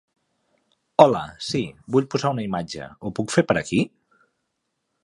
Hola, sí, vull posar una imatge, ho puc fer per aquí?